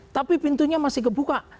tapi pintunya masih kebuka